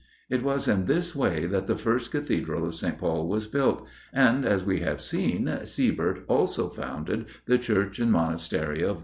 It was in this way that the first Cathedral of St. Paul was built, and, as we have seen, Siebert also founded the church and monastery of Westminster.